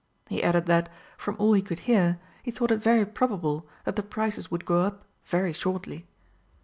He added that, from all he could hear, he thought it very probable that the prices would go up very shortly.